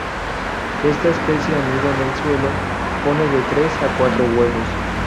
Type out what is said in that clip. Esta especie anida en el suelo, pone de tres a cuatro huevos.